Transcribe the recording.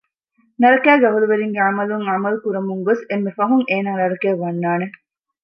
ނަރަކައިގެ އަހުލުވެރިންގެ ޢަމަލުން ޢަމަލު ކުރަމުން ގޮސް އެންމެ ފަހުން އޭނާ ނަރަކައަށް ވަންނާނެ